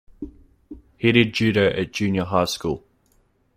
He did judo at junior high school.